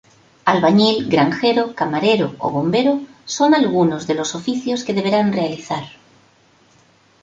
Albañil, granjero, camarero o bombero son algunos de los oficios que deberán realizar.